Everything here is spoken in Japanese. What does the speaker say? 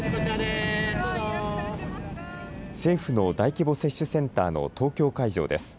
政府の大規模接種センターの東京会場です。